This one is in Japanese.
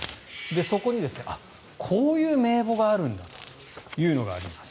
そこにこういう名簿があるんだというのがあります。